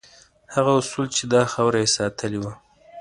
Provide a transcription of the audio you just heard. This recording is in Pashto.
هغه اصول چې دا خاوره یې ساتلې وه.